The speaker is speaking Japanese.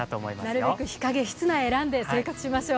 なるべく日陰、室内を選んで生活しましょう。